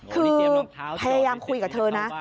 คือพยายามคุยกับเธอนะ